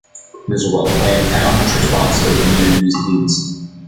It is a well-planned town which responds to the community's needs.